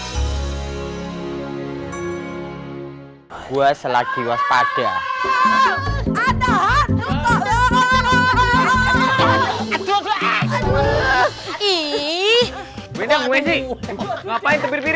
hai gue selagi waspada